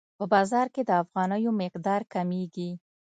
په بازار کې د افغانیو مقدار کمیږي.